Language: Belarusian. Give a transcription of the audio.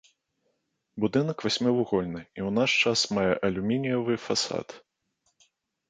Будынак васьмівугольны і ў наш час мае алюмініевы фасад.